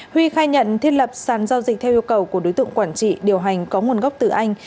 huy khai nhận thiết lập sản giao dịch theo yêu cầu của đối tượng quản trị điều hành có nguồn gốc từ anh